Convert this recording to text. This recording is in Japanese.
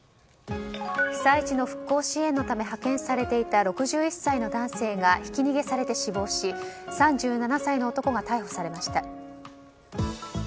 被災地の復興支援のため派遣されていた６１歳の男性がひき逃げされて死亡し３７歳の男が逮捕されました。